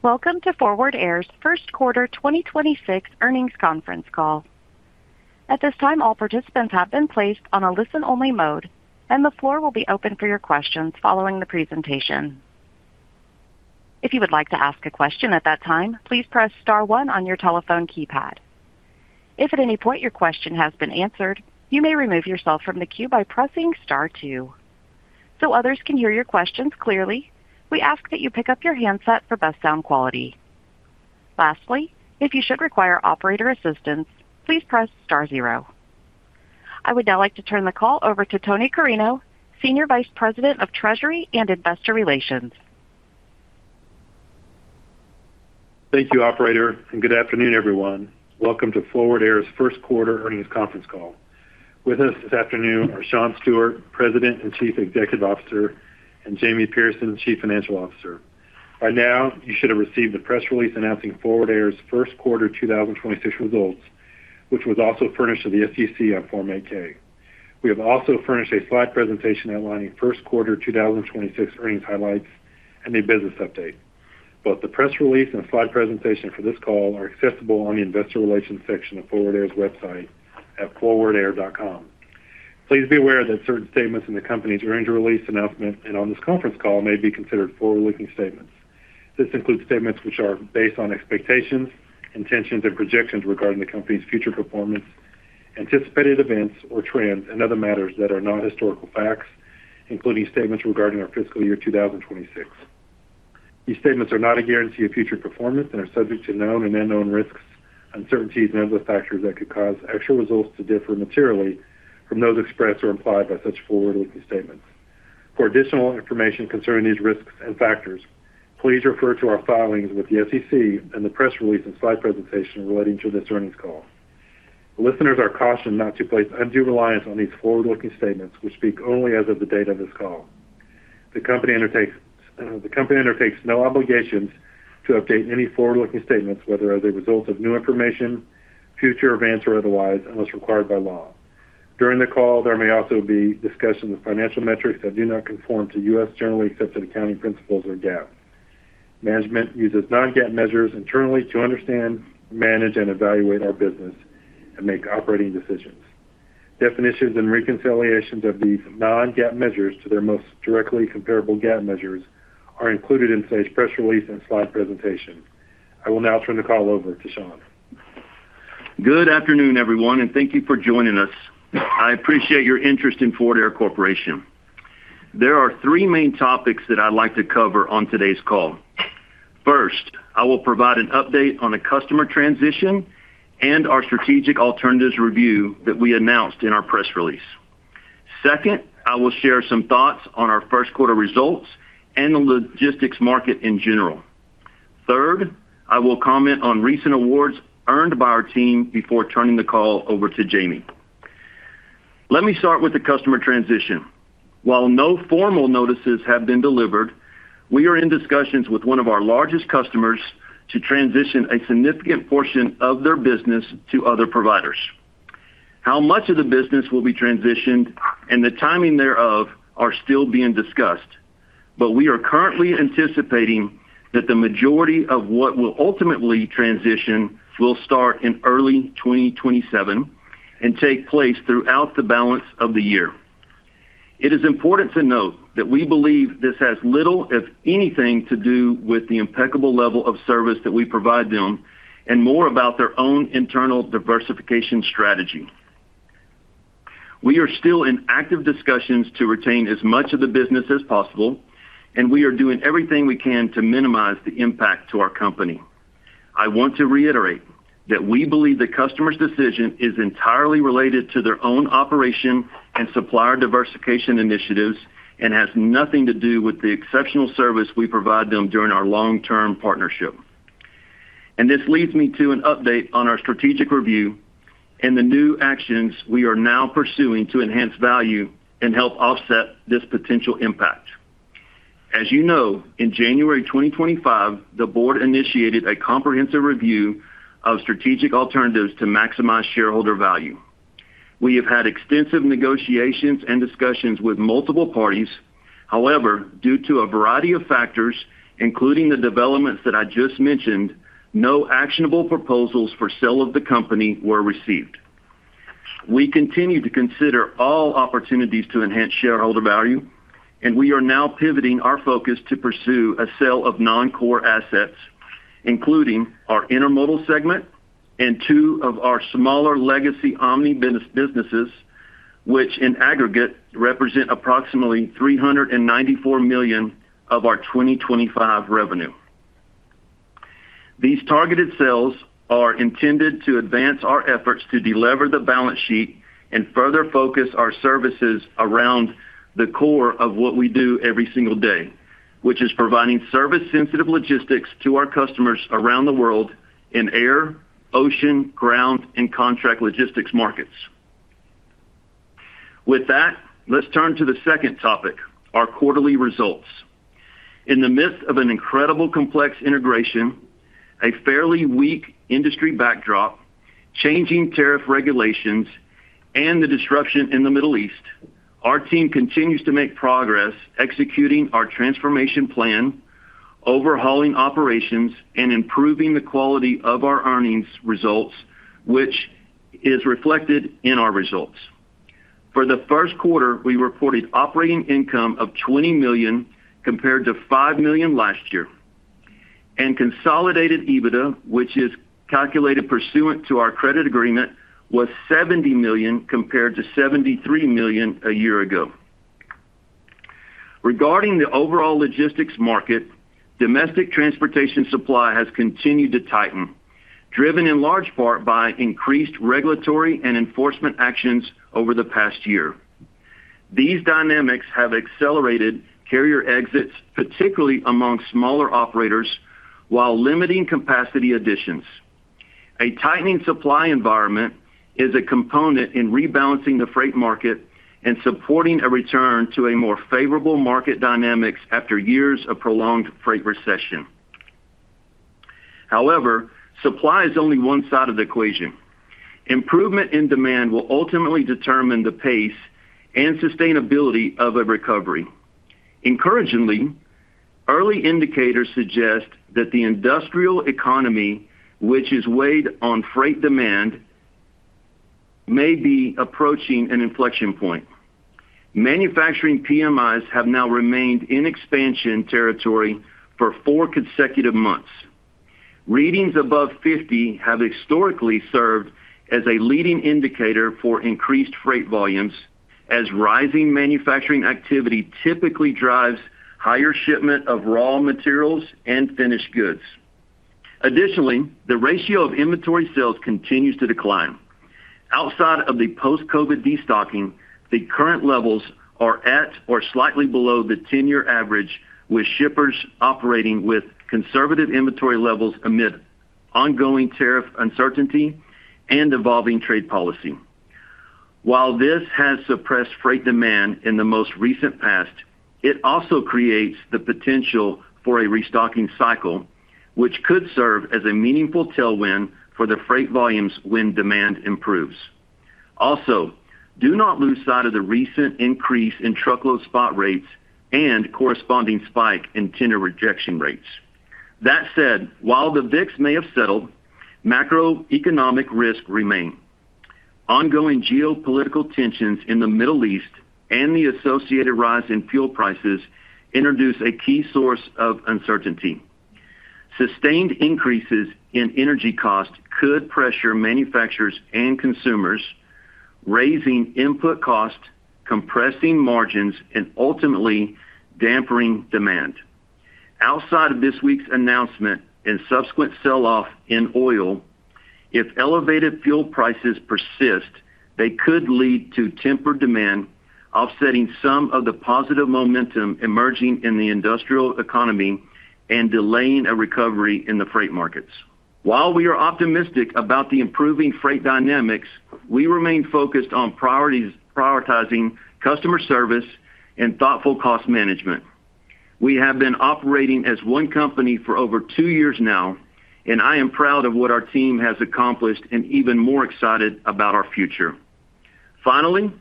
Welcome to Forward Air's first quarter 2026 earnings conference call. At this time all participants have been placed on a listen only mode. And the floor will be open for your questions following the presentation. If you would like to ask a question at that time, please press star one on your telephone keypad. If in any point your question has been answered you may removed yourself from the queue by pressing star two. To others can hear your questions clearly, we ask you to pick-up your handset for best sound quality. Lastly, if you should require operator's assistant, please press star zero. I would now like to turn the call over to Tony Carreño, Senior Vice President of Treasury and Investor Relations. Thank you, operator, and good afternoon, everyone. Welcome to Forward Air's first quarter earnings conference call. With us this afternoon are Shawn Stewart, President and Chief Executive Officer, and Jamie Pierson, Chief Financial Officer. By now, you should have received the press release announcing Forward Air's first quarter 2026 results, which was also furnished to the SEC on Form 8-K. We have also furnished a slide presentation outlining first quarter 2026 earnings highlights and a business update. Both the press release and slide presentation for this call are accessible on the investor relations section of Forward Air's website at forwardair.com. Please be aware that certain statements in the company's earnings release announcement and on this conference call may be considered forward-looking statements. This includes statements which are based on expectations, intentions, and projections regarding the company's future performance, anticipated events or trends, and other matters that are not historical facts, including statements regarding our fiscal year 2026. These statements are not a guarantee of future performance and are subject to known and unknown risks, uncertainties, and other factors that could cause actual results to differ materially from those expressed or implied by such forward-looking statements. For additional information concerning these risks and factors, please refer to our filings with the SEC and the press release and slide presentation relating to this earnings call. Listeners are cautioned not to place undue reliance on these forward-looking statements which speak only as of the date of this call. The company undertakes no obligations to update any forward-looking statements, whether as a result of new information, future events, or otherwise, unless required by law. During the call, there may also be discussion of financial metrics that do not conform to U.S. generally accepted accounting principles or GAAP. Management uses non-GAAP measures internally to understand, manage, and evaluate our business and make operating decisions. Definitions and reconciliations of these non-GAAP measures to their most directly comparable GAAP measures are included in today's press release and slide presentation. I will now turn the call over to Shawn. Good afternoon, everyone, and thank you for joining us. I appreciate your interest in Forward Air Corporation. There are three main topics that I'd like to cover on today's call. First, I will provide an update on the customer transition and our Strategic Alternatives Review that we announced in our press release. Second, I will share some thoughts on our first quarter results and the logistics market in general. Third, I will comment on recent awards earned by our team before turning the call over to Jamie. Let me start with the customer transition. While no formal notices have been delivered, we are in discussions with one of our largest customers to transition a significant portion of their business to other providers. How much of the business will be transitioned and the timing thereof are still being discussed. We are currently anticipating that the majority of what will ultimately transition will start in early 2027 and take place throughout the balance of the year. It is important to note that we believe this has little, if anything, to do with the impeccable level of service that we provide them and more about their own internal diversification strategy. We are still in active discussions to retain as much of the business as possible, and we are doing everything we can to minimize the impact to our company. I want to reiterate that we believe the customer's decision is entirely related to their own operation and supplier diversification initiatives and has nothing to do with the exceptional service we provide them during our long-term partnership. This leads me to an update on our strategic review and the new actions we are now pursuing to enhance value and help offset this potential impact. As you know, in January 2025, the board initiated a comprehensive review of strategic alternatives to maximize shareholder value. We have had extensive negotiations and discussions with multiple parties. However, due to a variety of factors, including the developments that I just mentioned, no actionable proposals for sale of the company were received. We continue to consider all opportunities to enhance shareholder value, and we are now pivoting our focus to pursue a sale of non-core assets, including our Intermodal segment and two of our smaller legacy Omni businesses, which in aggregate represent approximately $394 million of our 2025 revenue. These targeted sales are intended to advance our efforts to delever the balance sheet and further focus our services around the core of what we do every single day, which is providing service-sensitive logistics to our customers around the world in air, ocean, ground, and contract logistics markets. With that, let's turn to the second topic, our quarterly results. In the midst of an incredible complex integration. A fairly weak industry backdrop, changing tariff regulations, and the disruption in the Middle East, our team continues to make progress executing our transformation plan, overhauling operations, and improving the quality of our earnings results, which is reflected in our results. For the first quarter, we reported operating income of $20 million compared to $5 million last year. Consolidated EBITDA, which is calculated pursuant to our credit agreement, was $70 million compared to $73 million a year ago. Regarding the overall logistics market, domestic transportation supply has continued to tighten, driven in large part by increased regulatory and enforcement actions over the past year. These dynamics have accelerated carrier exits, particularly among smaller operators, while limiting capacity additions. A tightening supply environment is a component in rebalancing the freight market and supporting a return to a more favorable market dynamics after years of prolonged freight recession. However, supply is only one side of the equation. Improvement in demand will ultimately determine the pace and sustainability of a recovery. Encouragingly, early indicators suggest that the industrial economy, which is weighed on freight demand, may be approaching an inflection point. Manufacturing PMIs have now remained in expansion territory for four consecutive months. Readings above 50 have historically served as a leading indicator for increased freight volumes, as rising manufacturing activity typically drives higher shipment of raw materials and finished goods. The ratio of inventory sales continues to decline. Outside of the post-COVID destocking, the current levels are at or slightly below the 10-year average with shippers operating with conservative inventory levels amid ongoing tariff uncertainty and evolving trade policy. This has suppressed freight demand in the most recent past, it also creates the potential for a restocking cycle, which could serve as a meaningful tailwind for the freight volumes when demand improves. Do not lose sight of the recent increase in truckload spot rates and corresponding spike in tender rejection rates. While the VIX may have settled, macroeconomic risks remain. Ongoing geopolitical tensions in the Middle East and the associated rise in fuel prices introduce a key source of uncertainty. Sustained increases in energy costs could pressure manufacturers and consumers, raising input costs, compressing margins, and ultimately dampening demand. Outside of this week's announcement and subsequent sell-off in oil, if elevated fuel prices persist, they could lead to tempered demand, offsetting some of the positive momentum emerging in the industrial economy and delaying a recovery in the freight markets. While we are optimistic about the improving freight dynamics, we remain focused on priorities, prioritizing customer service and thoughtful cost management. We have been operating as one company for over two years now, and I am proud of what our team has accomplished and even more excited about our future. Finally,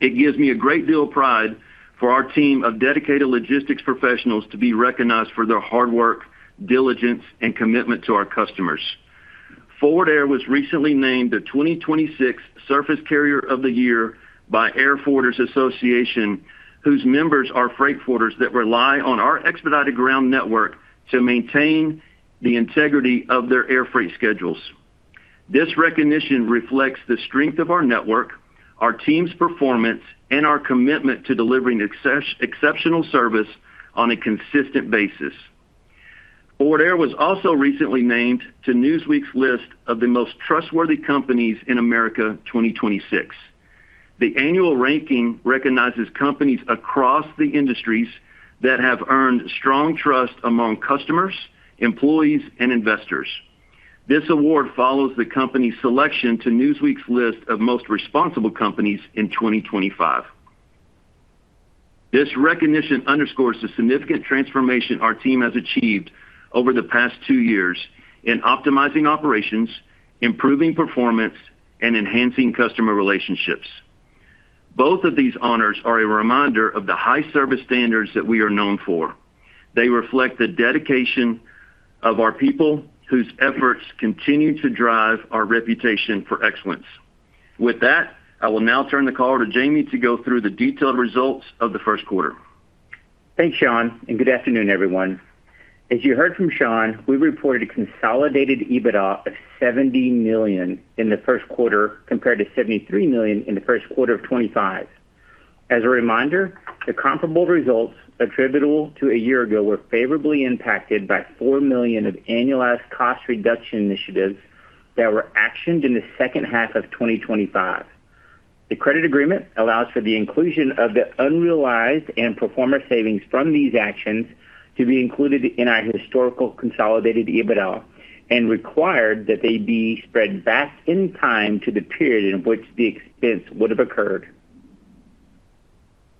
it gives me a great deal of pride for our team of dedicated logistics professionals to be recognized for their hard work, diligence, and commitment to our customers. Forward Air was recently named the 2026 Surface Carrier of the Year by Airforwarders Association, whose members are freight forwarders that rely on our expedited ground network to maintain the integrity of their airfreight schedules. This recognition reflects the strength of our network, our team's performance, and our commitment to delivering exceptional service on a consistent basis. Forward Air was also recently named to Newsweek's list of the Most Trustworthy Companies in America 2026. The annual ranking recognizes companies across the industries that have earned strong trust among customers, employees, and investors. This award follows the company's selection to Newsweek's list of Most Responsible Companies in 2025. This recognition underscores the significant transformation our team has achieved over the past two years in optimizing operations, improving performance, and enhancing customer relationships. Both of these honors are a reminder of the high service standards that we are known for. They reflect the dedication of our people, whose efforts continue to drive our reputation for excellence. With that, I will now turn the call to Jamie to go through the detailed results of the first quarter. Thanks, Shawn, and good afternoon, everyone. As you heard from Shawn, we reported a consolidated EBITDA of $70 million in the first quarter compared to $73 million in the first quarter of 2025. As a reminder, the comparable results attributable to a year ago were favorably impacted by $4 million of annualized cost reduction initiatives that were actioned in the second half of 2025. The credit agreement allows for the inclusion of the unrealized and pro forma savings from these actions to be included in our historical consolidated EBITDA and required that they be spread back in time to the period in which the expense would have occurred.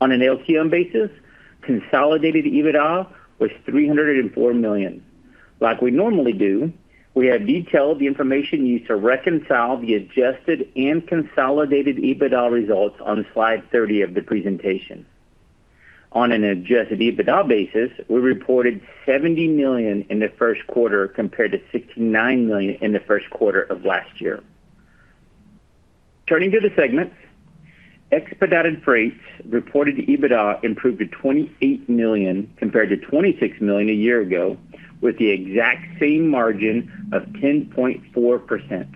On an LTM basis, consolidated EBITDA was $304 million. Like we normally do, we have detailed the information used to reconcile the adjusted and consolidated EBITDA results on slide 30 of the presentation. On an adjusted EBITDA basis, we reported $70 million in the first quarter compared to $69 million in the first quarter of last year. Turning to the segments, Expedited Freight reported EBITDA improved to $28 million compared to $26 million a year ago, with the exact same margin of 10.4%.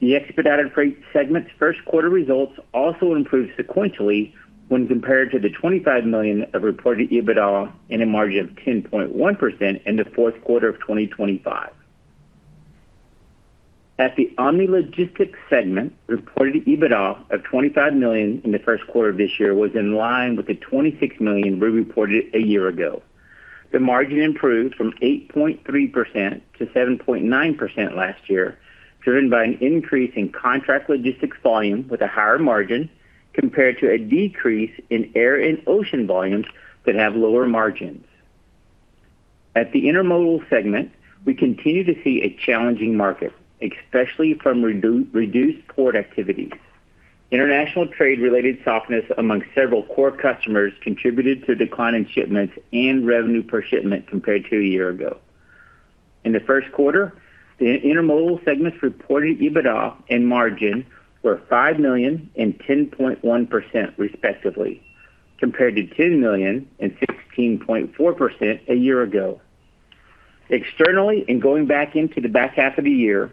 The Expedited Freight segment's first quarter results also improved sequentially when compared to the $25 million of reported EBITDA and a margin of 10.1% in the fourth quarter of 2025. At the Omni Logistics segment, reported EBITDA of $25 million in the first quarter of this year was in line with the $26 million we reported a year ago. The margin improved from 8.3% to 7.9% last year, driven by an increase in contract logistics volume with a higher margin compared to a decrease in air and ocean volumes that have lower margins. At the Intermodal segment, we continue to see a challenging market, especially from reduced port activities. International trade-related softness among several core customers contributed to a decline in shipments and revenue per shipment compared to a year ago. In the first quarter, the Intermodal segment's reported EBITDA and margin were $5 million and 10.1% respectively, compared to $10 million and 16.4% a year ago. Externally, going back into the back half of the year,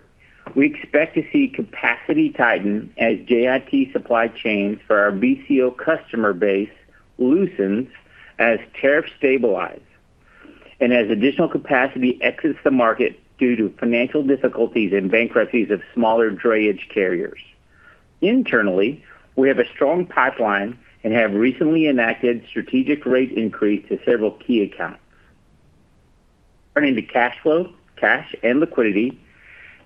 we expect to see capacity tighten as JIT supply chains for our BCO customer base loosens as tariffs stabilize, and as additional capacity exits the market due to financial difficulties and bankruptcies of smaller drayage carriers. Internally, we have a strong pipeline and have recently enacted strategic rate increase to several key accounts. Turning to cash flow, cash, and liquidity,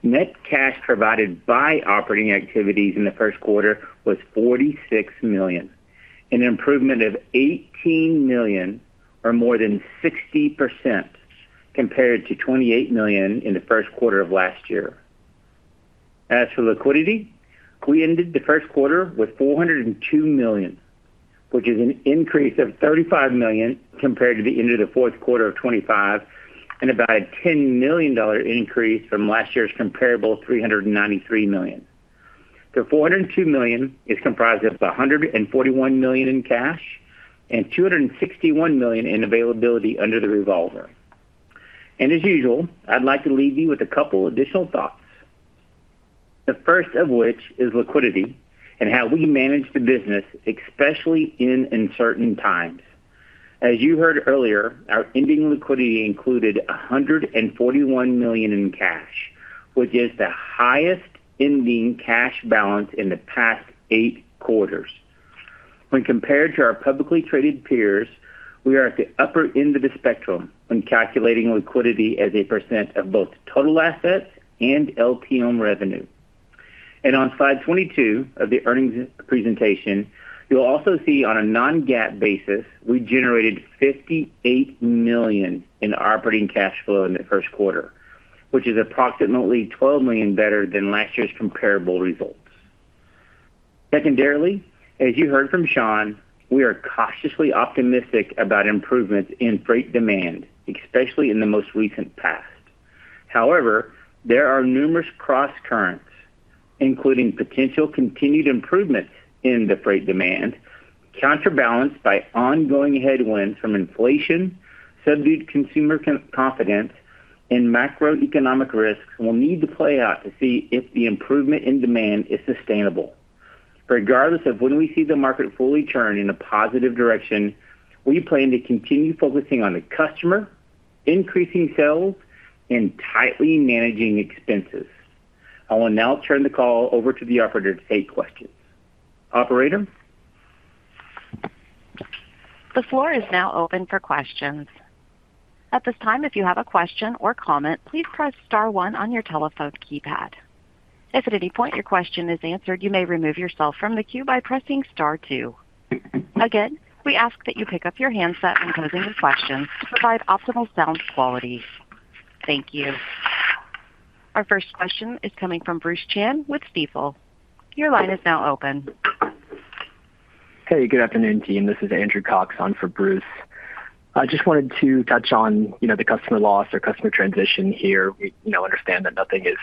net cash provided by operating activities in the first quarter was $46 million, an improvement of $18 million or more than 60% compared to $28 million in the first quarter of last year. As for liquidity, we ended the first quarter with $402 million, which is an increase of $35 million compared to the end of the fourth quarter of 2025 and about a $10 million increase from last year's comparable $393 million. The $402 million is comprised of $141 million in cash and $261 million in availability under the revolver. As usual, I'd like to leave you with a couple additional thoughts. The first of which is liquidity and how we manage the business, especially in uncertain times. As you heard earlier, our ending liquidity included $141 million in cash, which is the highest ending cash balance in the past eight quarters. When compared to our publicly traded peers, we are at the upper end of the spectrum when calculating liquidity as a percent of both total assets and LTM revenue. On slide 22 of the earnings presentation, you'll also see on a non-GAAP basis, we generated $58 million in operating cash flow in the first quarter, which is approximately $12 million better than last year's comparable results. Secondarily, as you heard from Shawn, we are cautiously optimistic about improvements in freight demand, especially in the most recent past. However, there are numerous crosscurrents, including potential continued improvements in the freight demand, counterbalanced by ongoing headwinds from inflation, subdued consumer confidence, and macroeconomic risks will need to play out to see if the improvement in demand is sustainable. Regardless of when we see the market fully turn in a positive direction, we plan to continue focusing on the customer, increasing sales, and tightly managing expenses. I will now turn the call over to the operator to take questions. Operator? The floor is now open for questions. At this time, if you have a question or comment, please press star one on your telephone keypad. As to any point your question is answered, you may removed yourself from the queue by pressing star two. Again, we ask that you pick-up your handset in asking a question to provide optimal sound quality. Thank you. Our first question is coming from Bruce Chan with Stifel. Your line is now open. Hey, good afternoon, team. This is Andrew Cox on for Bruce. I just wanted to touch on the customer loss or customer transition here. We understand that nothing is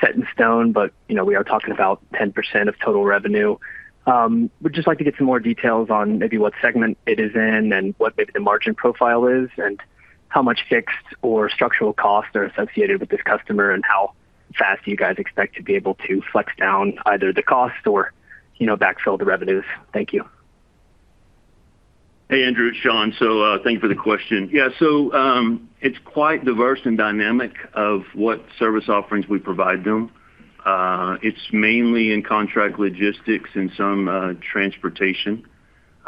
set in stone, but we are talking about 10% of total revenue. Would just like to get some more details on maybe what segment it is in and what maybe the margin profile is, and how much fixed or structural costs are associated with this customer, and how fast you guys expect to be able to flex down either the cost or backfill the revenues. Thank you. Hey, Andrew, it's Shawn. Thank you for the question. Yeah. It's quite diverse and dynamic of what service offerings we provide them. It's mainly in contract logistics and some transportation.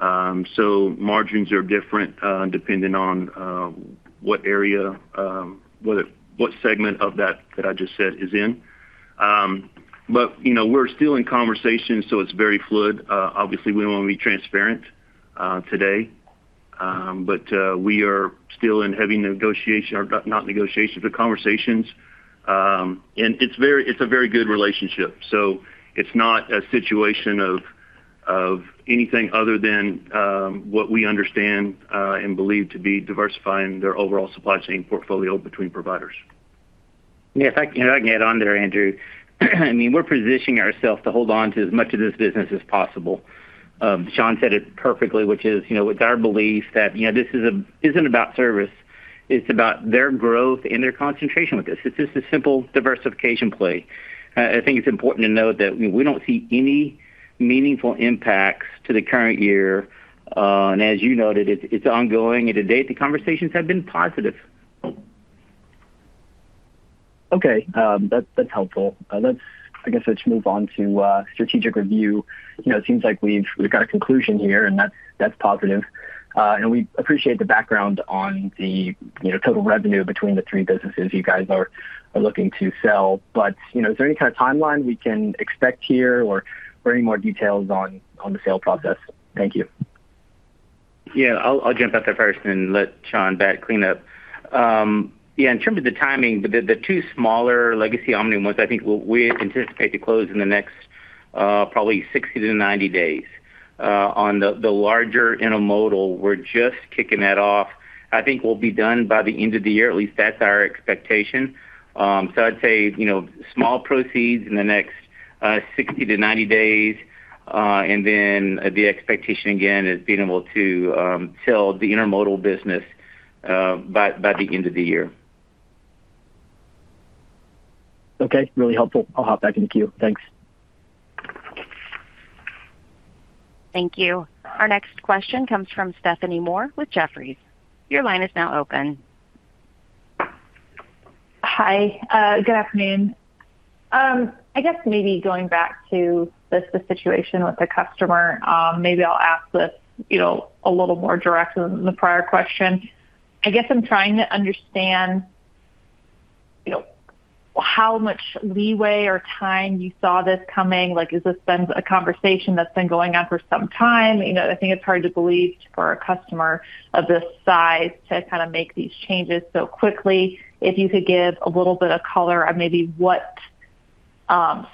Margins are different depending on- What area, what segment of that I just said is in. You know, we're still in conversations, so it's very fluid. Obviously, we wanna be transparent today. We are still in heavy negotiation or not negotiation, but conversations. It's a very good relationship. It's not a situation of anything other than what we understand and believe to be diversifying their overall supply chain portfolio between providers. Yeah. If I can add on there, Andrew. I mean, we're positioning ourselves to hold on to as much of this business as possible. Shawn said it perfectly, which is, with our belief that, this isn't about service, it's about their growth and their concentration with us. It's just a simple diversification play. I think it's important to note that we don't see any meaningful impacts to the current year. As you noted, it's ongoing. To date, the conversations have been positive. Okay. That's helpful. Let's move on to strategic review. You know, it seems like we've got a conclusion here, and that's positive. We appreciate the background on the, you know, total revenue between the three businesses you guys are looking to sell. You know, is there any kind of timeline we can expect here or are any more details on the sale process? Thank you. Yeah. I'll jump at that first and let Shawn back clean up. Yeah, in terms of the timing, the two smaller legacy Omni ones, we anticipate to close in the next 60-90 days. On the larger Intermodal, we're just kicking that off. I think we'll be done by the end of the year, at least that's our expectation. I'd say, you know, small proceeds in the next 60-90 days. The expectation, again, is being able to sell the Intermodal business by the end of the year. Okay. Really helpful. I'll hop back in the queue. Thanks. Thank you. Our next question comes from Stephanie Moore with Jefferies. Your line is now open. Hi. Good afternoon. I guess maybe going back to the situation with the customer, maybe I'll ask this, you know, a little more direct than the prior question. I guess I'm trying to understand, you know, how much leeway or time you saw this coming, like, has this been a conversation that's been going on for some time? You know, I think it's hard to believe for a customer of this size to kind of make these changes so quickly. If you could give a little bit of color on maybe what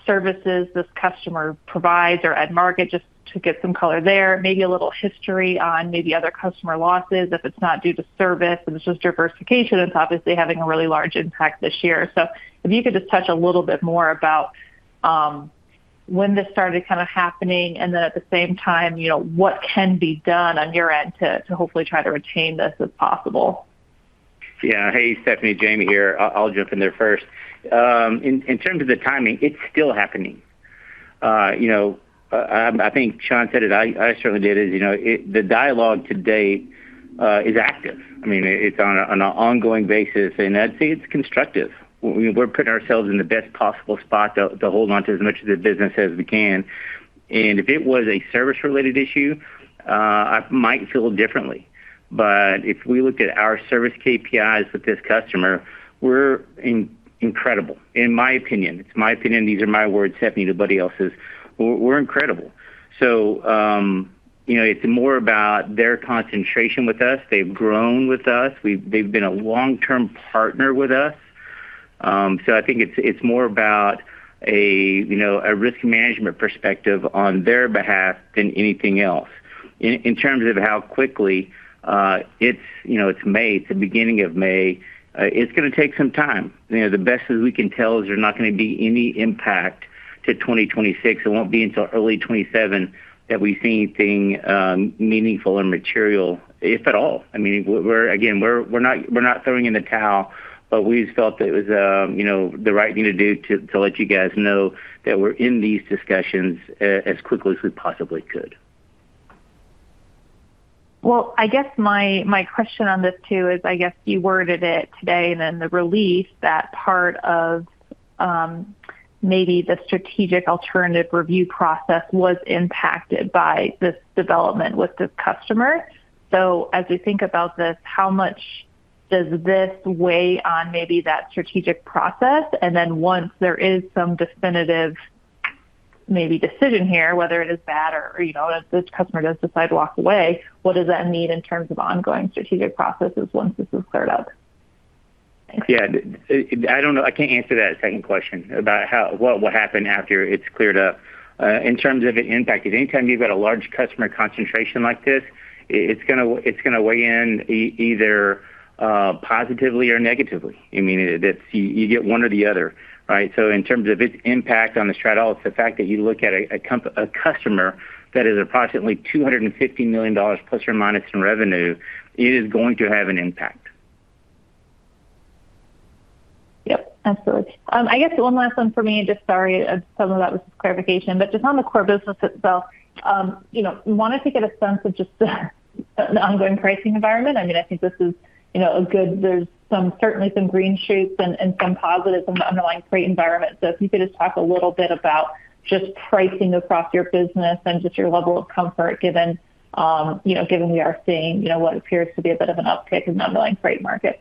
services this customer provides or at market, just to get some color there. Maybe a little history on maybe other customer losses, if it's not due to service and it's just diversification, it's obviously having a really large impact this year. If you could just touch a little bit more about when this started kinda happening, and then at the same time, you know, what can be done on your end to hopefully try to retain this if possible? Yeah. Hey, Stephanie. Jamie here. I'll jump in there first. In terms of the timing, it's still happening. You know, I think Shawn said it, I certainly did, is, you know, the dialogue to date is active. I mean, it's on an ongoing basis, I'd say it's constructive. We're putting ourselves in the best possible spot to hold on to as much of the business as we can. If it was a service related issue, I might feel differently. If we looked at our service KPIs with this customer, we're incredible, in my opinion. It's my opinion, these are my words, Stephanie, nobody else's. We're incredible. You know, it's more about their concentration with us. They've grown with us. They've been a long-term partner with us. I think it's more about a, you know, a risk management perspective on their behalf than anything else. In, in terms of how quickly, it's, you know, it's May, it's the beginning of May, it's gonna take some time. You know, the best as we can tell is there's not gonna be any impact to 2026. It won't be until early 2027 that we see anything meaningful or material, if at all. I mean, we're again, we're not throwing in the towel, but we just felt that it was, you know, the right thing to do to let you guys know that we're in these discussions as quickly as we possibly could. Well, I guess my question on this too is, I guess you worded it today, then the release, that part of maybe the strategic alternative review process was impacted by this development with this customer. As we think about this, how much does this weigh on maybe that strategic process? Then once there is some definitive maybe decision here, whether it is bad or, you know, if this customer does decide to walk away, what does that mean in terms of ongoing strategic processes once this is cleared up? Thanks. Yeah. I don't know. I can't answer that second question about what will happen after it's cleared up. In terms of an impact, anytime you've got a large customer concentration like this, it's gonna weigh in either positively or negatively. I mean, you get one or the other, right? In terms of its impact on the strat alt, the fact that you look at a customer that is approximately $250 million plus or minus in revenue, it is going to have an impact. Yep. Absolutely. I guess one last one for me, just sorry, some of that was just clarification, just on the core business itself, you know, wanted to get a sense of just the ongoing pricing environment. I mean, I think this is, you know, a good there's some, certainly some green shoots and some positivism in the underlying freight environment. If you could just talk a little bit about just pricing across your business and just your level of comfort given, you know, given we are seeing, you know, what appears to be a bit of an uptick in underlying freight market.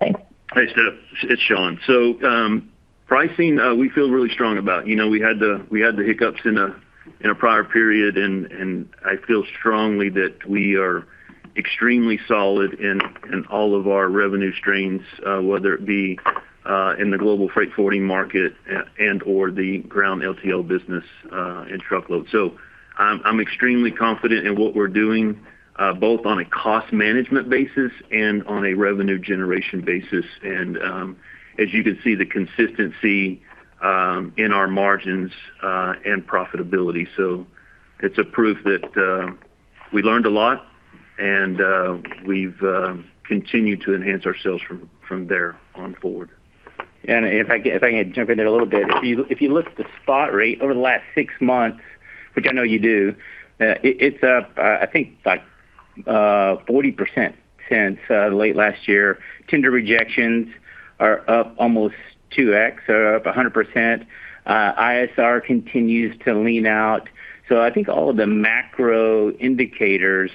Hey, Steph. It's Shawn. Pricing, we feel really strong about. You know, we had the hiccups in a prior period and I feel strongly that we are extremely solid in all of our revenue streams, whether it be in the global freight forwarding market and/or the ground LTL business and truckload. I'm extremely confident in what we're doing, both on a cost management basis and on a revenue generation basis. As you can see the consistency in our margins and profitability. It's a proof that we learned a lot and we've continued to enhance ourselves from there on forward. If I can jump in there a little bit. If you look at the spot rate over the last six months, which I know you do, it's up, I think like, 40% since late last year. Tender rejections are up almost 2x, up 100%. ISR continues to lean out. I think all of the macro indicators,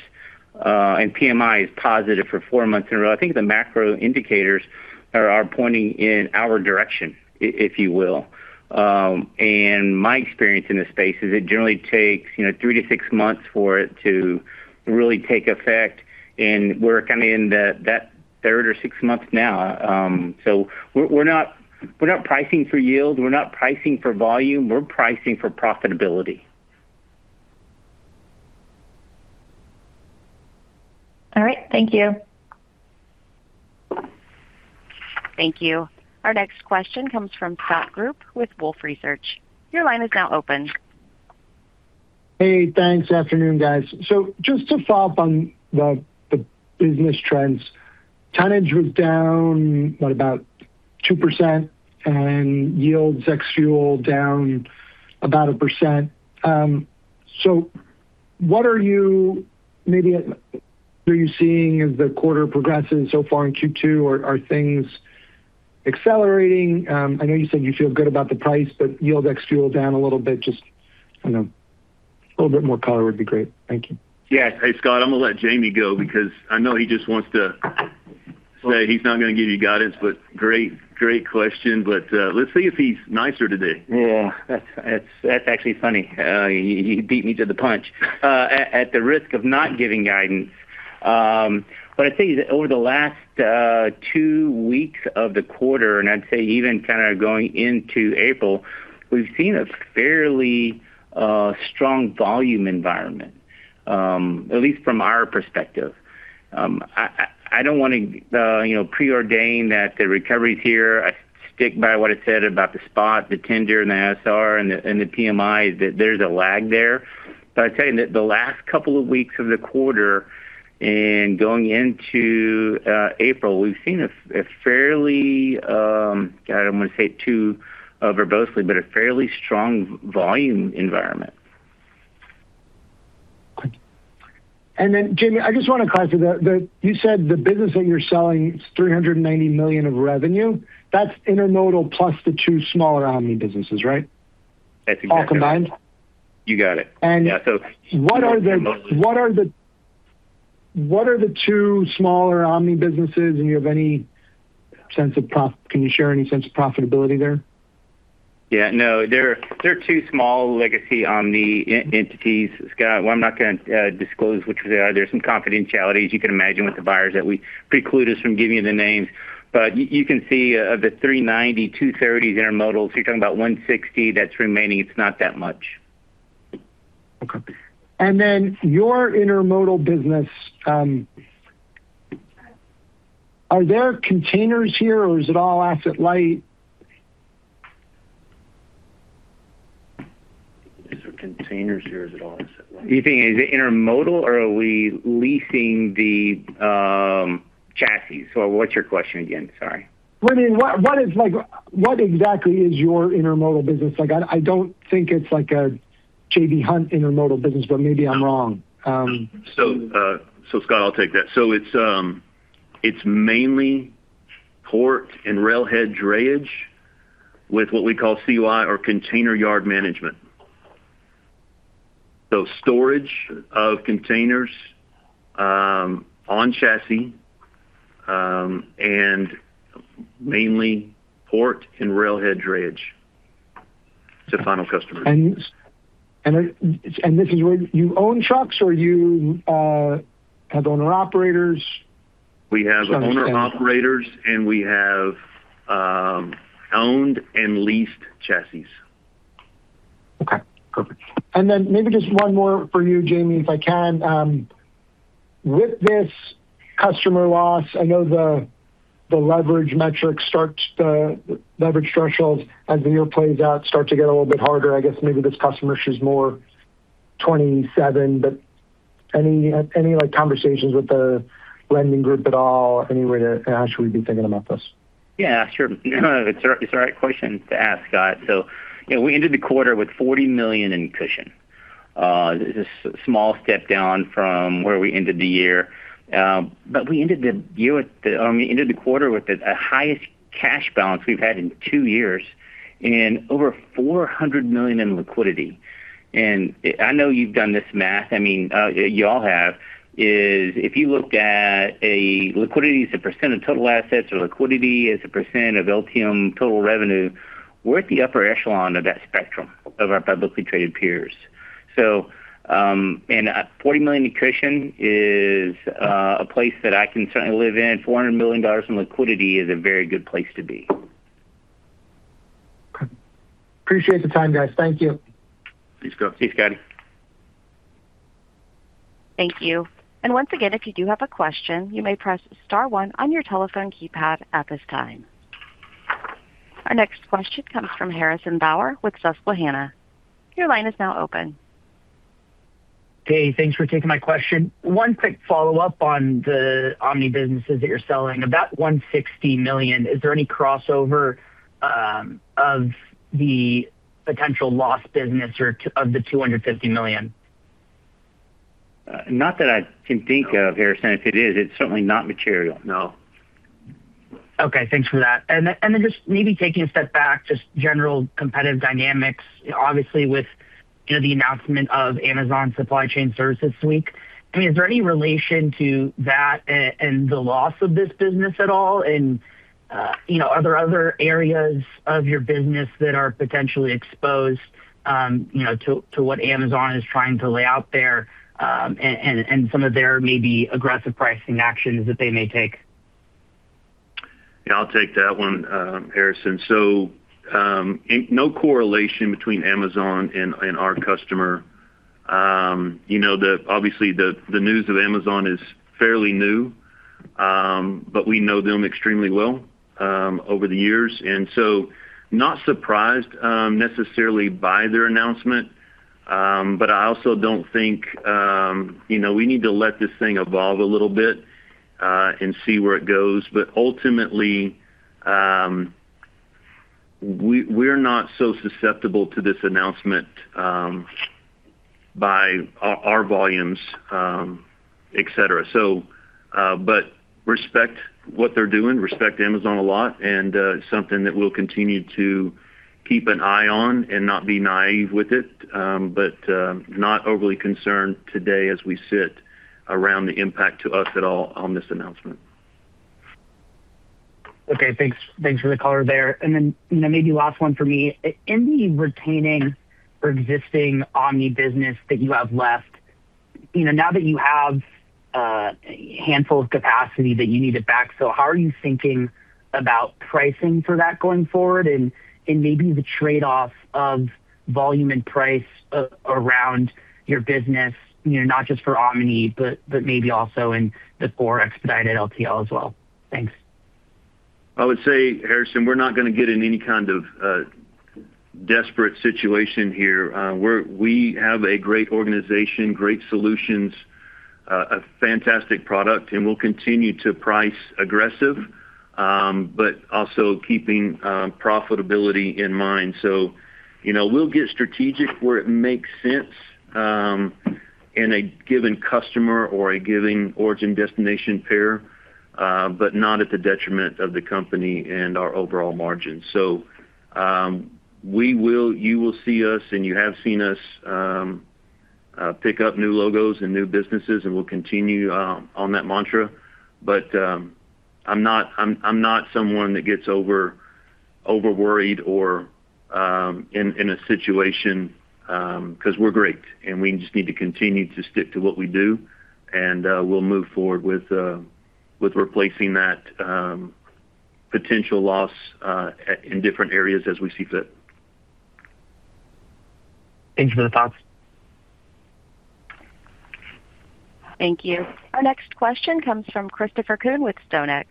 and PMI is positive for four months in a row. I think the macro indicators are pointing in our direction, if you will. My experience in this space is it generally takes, you know, three to six months for it to really take effect, and we're kind of in that third or six months now. We're not pricing for yield, we're not pricing for volume, we're pricing for profitability. All right. Thank you. Thank you. Our next question comes from Scott Group with Wolfe Research. Your line is now open. Hey, thanks. Afternoon, guys. Just to follow up on the business trends. Tonnage was down, what about 2%, and yields ex-fuel down about 1%. What are you seeing as the quarter progresses so far in Q2, are things accelerating? I know you said you feel good about the price, but yield ex-fuel down a little bit. Just, you know, a little bit more color would be great. Thank you. Yeah. Hey, Scott, I'm gonna let Jamie go because I know he just wants to say he's not gonna give you guidance, but great question. Let's see if he's nicer today. Yeah. That's actually funny. You beat me to the punch. At the risk of not giving guidance, I'd say over the last two weeks of the quarter, and I'd say even kind of going into April, we've seen a fairly strong volume environment, at least from our perspective. I don't want to, you know, preordain that the recovery's here. I stick by what I said about the spot, the tender and the ISR and the PMI that there's a lag there. I'd say in the last couple of weeks of the quarter and going into April, we've seen a fairly, I don't want to say it too verbosely, but a fairly strong volume environment. Jamie, I just want to clarify that, you said the business that you're selling is $390 million of revenue. That's Intermodal plus the two smaller Omni businesses, right? That's exactly right. All combined. You got it. And- Yeah. Two of the Omni- What are the two smaller Omni businesses? Do you have any sense of profitability there? Yeah. No. They're two small legacy Omni businesses, Scott. One, I'm not gonna disclose which they are. There's some confidentialities you can imagine with the buyers that we precluded us from giving you the names. You can see, of the $390 million, $230 million is Intermodal, so you're talking about $160 million that's remaining. It's not that much. Okay. Your Intermodal business, are there containers here or is it all asset light? Are there containers here or is it all asset light? You think, is it Intermodal or are we leasing the chassis? What's your question again? Sorry. Well, I mean, what exactly is your Intermodal business like? I don't think it's like a J.B. Hunt Intermodal business, maybe I'm wrong. Scott, I'll take that. It's mainly port and rail head drayage with what we call CY or container yard management. Storage of containers, on chassis, and mainly port and rail head drayage to final customers. This is where you own trucks or you have owner-operators? We have owner-operators, and we have owned and leased chassis. Okay. Perfect. Maybe just one more for you, Jamie, if I can. With this customer loss, I know the leverage metrics start, leverage thresholds as the year plays out start to get a little bit harder. I guess maybe this customer is more 2027. Any like conversations with the lending group at all, how should we be thinking about this? Yeah, sure. It's the right question to ask, Scott. You know, we ended the quarter with $40 million in cushion. This is small step down from where we ended the year. We ended the quarter with the highest cash balance we've had in two years. Over $400 million in liquidity. I know you've done this math, I mean, y'all have, is if you looked at liquidity as a percent of total assets or liquidity as a percent of LTM total revenue, we're at the upper echelon of that spectrum of our publicly traded peers. $40 million in cushion is a place that I can certainly live in. $400 million in liquidity is a very good place to be. Appreciate the time, guys. Thank you. Thanks, Scott. Thanks, Scotty. Thank you. Once again, if you do have a question, you may press star one on your telephone keypad at this time. Our next question comes from Harrison Bauer with Susquehanna. Your line is now open. Hey, thanks for taking my question. One quick follow-up on the Omni businesses that you're selling. Of that $160 million, is there any crossover of the potential lost business or of the $250 million? Not that I can think of, Harrison. If it is, it's certainly not material. No. Okay. Thanks for that. Then just maybe taking a step back, just general competitive dynamics. Obviously, with the announcement of Amazon Supply Chain Services this week, is there any relation to that and the loss of this business at all? Are there other areas of your business that are potentially exposed to what Amazon is trying to lay out there and some of their maybe aggressive pricing actions that they may take? Yeah, I'll take that one, Harrison. No correlation between Amazon and our customer. You know, obviously, the news of Amazon is fairly new, but we know them extremely well over the years. Not surprised necessarily by their announcement. I also don't think, you know, we need to let this thing evolve a little bit and see where it goes. Ultimately, we're not so susceptible to this announcement by our volumes, et cetera. Respect what they're doing, respect Amazon a lot, and something that we'll continue to keep an eye on and not be naive with it. Not overly concerned today as we sit around the impact to us at all on this announcement. Okay, thanks. Thanks for the color there. Then, you know, maybe last one from me. In the retaining or existing Omni business that you have left, you know, now that you have a handful of capacity that you need it backfill, how are you thinking about pricing for that going forward? And maybe the trade-off of volume and price around your business, you know, not just for Omni, but maybe also in the core Expedited LTL as well. Thanks. I would say, Harrison, we're not gonna get in any kind of desperate situation here. We have a great organization, great solutions, a fantastic product, and we'll continue to price aggressive, but also keeping profitability in mind. You know, we'll get strategic where it makes sense in a given customer or a given origin destination pair, but not at the detriment of the company and our overall margin. You will see us, and you have seen us, pick up new logos and new businesses, and we'll continue on that mantra. I'm not someone that gets over worried or in a situation 'cause we're great, and we just need to continue to stick to what we do. We'll move forward with replacing that potential loss at, in different areas as we see fit. Thanks for the thoughts. Thank you. Our next question comes from Christopher Kuhn with StoneX.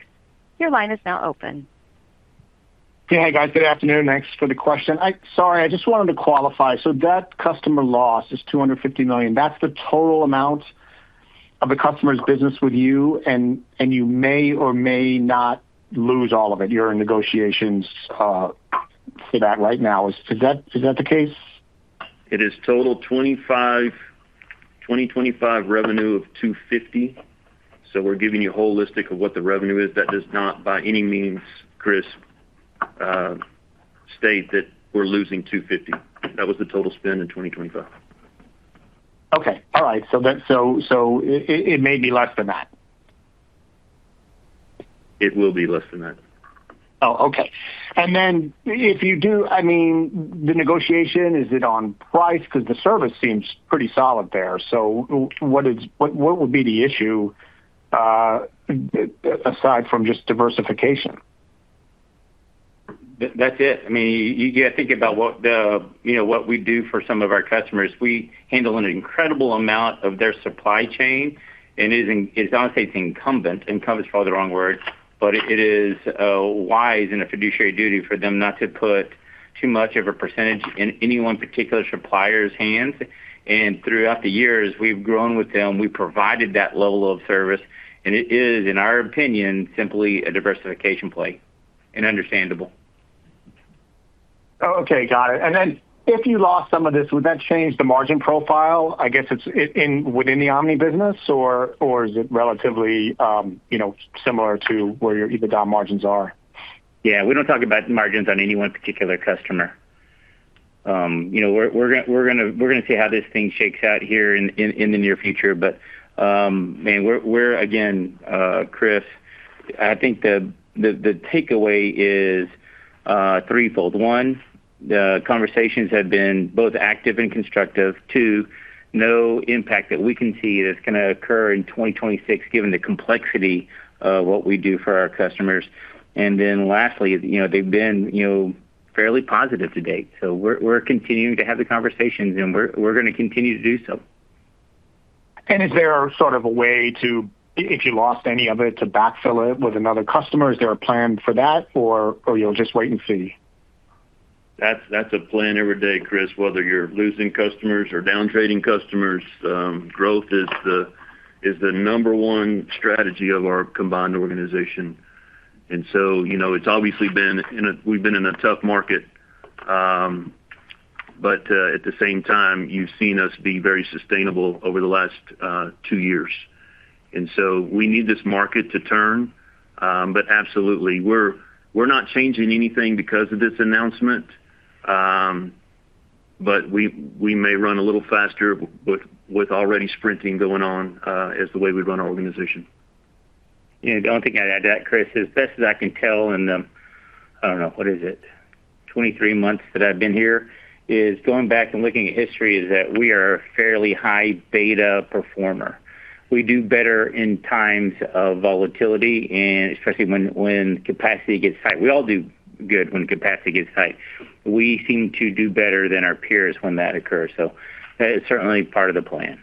Your line is now open. Yeah. Hey, guys. Good afternoon. Thanks for the question. Sorry, I just wanted to qualify. That customer loss is $250 million. That's the total amount of a customer's business with you, and you may or may not lose all of it. You're in negotiations for that right now. Is that the case? It is total 2025 revenue of $250 million. We're giving you holistic of what the revenue is. That does not by any means, Chris, state that we're losing $250 million. That was the total spend in 2025. Okay. All right. It may be less than that. It will be less than that. Oh, okay. If you, I mean, the negotiation, is it on price? 'Cause the service seems pretty solid there. What would be the issue aside from just diversification? That's it. I mean, you gotta think about what the, you know, what we do for some of our customers. We handle an incredible amount of their supply chain. I wouldn't say it's incumbent. Incumbent is probably the wrong word. It is wise and a fiduciary duty for them not to put too much of a percentage in any one particular supplier's hands. Throughout the years, we've grown with them. We provided that level of service. It is, in our opinion, simply a diversification play and understandable. Oh, okay. Got it. If you lost some of this, would that change the margin profile? I guess it is within the Omni business or is it relatively, you know, similar to where your EBITDA margins are? Yeah. We don't talk about margins on any one particular customer. You know, we're gonna see how this thing shakes out here in, in the near future. Man, we're again, Chris, I think the takeaway is threefold. One, the conversations have been both active and constructive. Two, no impact that we can see that's gonna occur in 2026 given the complexity of what we do for our customers. Lastly, you know, they've been, you know, fairly positive to date. We're continuing to have the conversations, and we're gonna continue to do so. Is there sort of a way to, if you lost any of it, to backfill it with another customer? Is there a plan for that, or you'll just wait and see? That's a plan every day, Chris, whether you're losing customers or down-trading customers. Growth is the number one strategy of our combined organization. You know, it's obviously been in a tough market. At the same time, you've seen us be very sustainable over the last two years. We need this market to turn. Absolutely, we're not changing anything because of this announcement. We may run a little faster with already sprinting going on as the way we run our organization. Yeah. The only thing I'd add to that, Chris, as best as I can tell in the, I don't know, what is it? 23 months that I've been here, is going back and looking at history is that we are a fairly high beta performer. We do better in times of volatility and especially when capacity gets tight. We all do good when capacity gets tight. We seem to do better than our peers when that occurs. That is certainly part of the plan.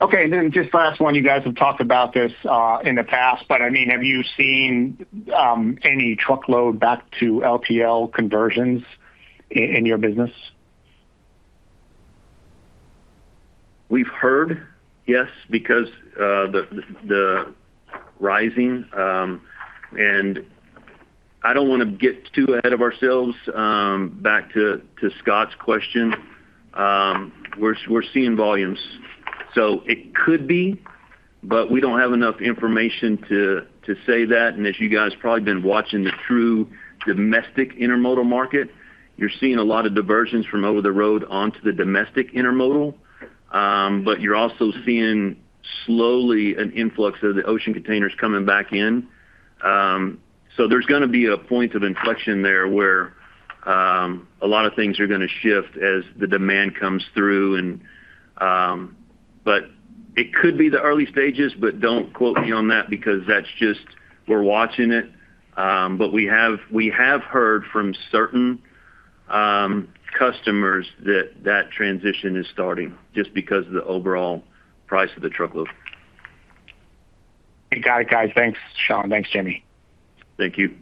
Okay, just last one. You guys have talked about this in the past, I mean, have you seen any truckload back to LTL conversions in your business? We've heard, yes, because the rising, and I don't wanna get too ahead of ourselves, back to Scott's question. We're seeing volumes. It could be, but we don't have enough information to say that. As you guys probably been watching the true domestic Intermodal market, you're seeing a lot of diversions from over the road onto the domestic Intermodal. You're also seeing slowly an influx of the ocean containers coming back in. There's gonna be a point of inflection there where a lot of things are gonna shift as the demand comes through. It could be the early stages, but don't quote me on that because that's just we're watching it. We have heard from certain customers that transition is starting just because of the overall price of the truckload. Got it, guys. Thanks, Shawn. Thanks, Jamie. Thank you.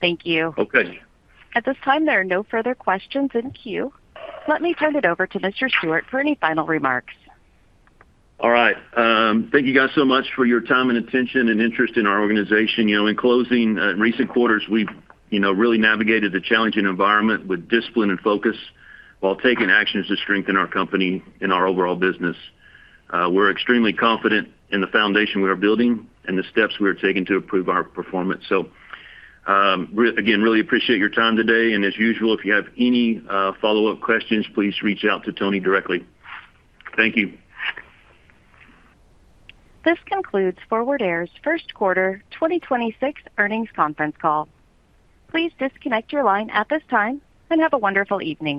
Thank you. Okay. At this time, there are no further questions in queue. Let me turn it over to Mr. Stewart for any final remarks. All right. Thank you guys so much for your time and attention and interest in our organization. You know, in closing, recent quarters, we've, you know, really navigated a challenging environment with discipline and focus while taking actions to strengthen our company and our overall business. We're extremely confident in the foundation we are building and the steps we are taking to improve our performance. Again, really appreciate your time today, and as usual, if you have any follow-up questions, please reach out to Tony directly. Thank you. This concludes Forward Air's first quarter 2026 earnings conference call. Please disconnect your line at this time, and have a wonderful evening.